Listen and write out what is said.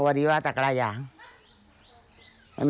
คุณพี่ยิ่มโดยจะใช่เป็นไงนะ